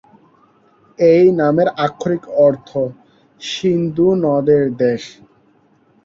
এই নামের আক্ষরিক অর্থ "সিন্ধু নদের দেশ"।